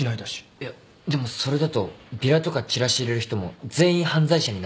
いやでもそれだとビラとかチラシ入れる人も全員犯罪者になっちゃわない？